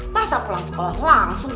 pas pulang sekolah langsung